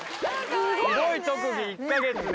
すごい特技、１か月で。